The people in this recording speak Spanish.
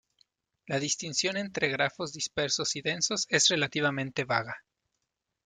La distinción entre grafos dispersos y densos es relativamente vaga.